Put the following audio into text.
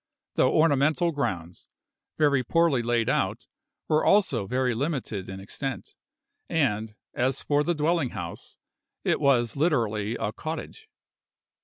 The ornamental grounds, very poorly laid out, were also very limited in extent and, as for the dwelling house, it was literally a cottage.